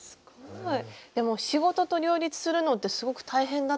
でも仕事と両立するのってすごく大変だったんじゃないですか？